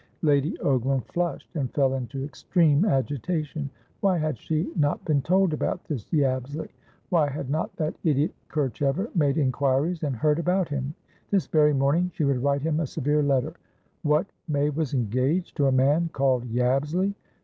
Lady Ogram flushed, and fell into extreme agitation. Why had she not been told about this Yabsley? Why had not that idiot Kerchever made inquiries and heard about him? This very morning she would write him a severe letter. What, May was engaged? To a man called Yabsley?